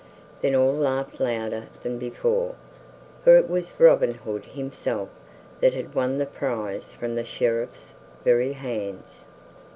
Then all laughed louder than before, for it was Robin Hood himself that had won the prize from the Sheriff's very hands.